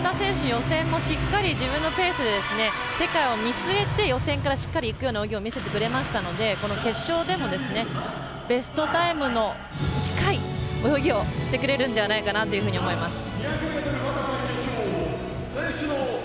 予選もしっかり自分のペースで世界を見据えて予選からしっかりいくような泳ぎを見せてくれたので決勝でもベストタイムに近い泳ぎをしてくれるんではないかと思います。